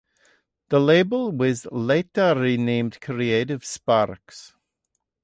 The label was later renamed Creative Sparks.